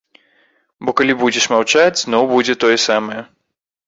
Бо калі будзеш маўчаць, зноў будзе тое самае.